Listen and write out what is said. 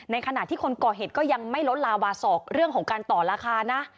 ขณะที่คนก่อเหตุก็ยังไม่ลดลาวาสอกเรื่องของการต่อราคานะ